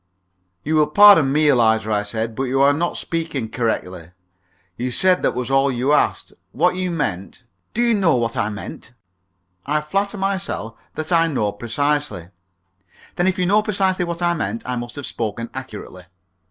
"You will pardon me, Eliza," I said, "but you are not speaking correctly. You said that was all that you asked. What you meant " "Do you know what I meant?" "I flatter myself that I know precisely " "Then if you know precisely what I meant, I must have spoken accurately."